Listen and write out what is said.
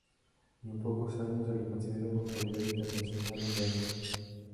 Y en pocos años se lo considera una autoridad international en granos.